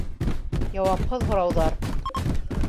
Яуапһыҙ һорауҙар.